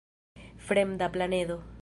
Fremda planedo.